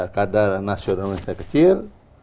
kadar nasional indonesia kecil